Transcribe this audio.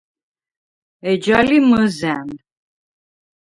ეჯა ლი მჷზა̈ნ.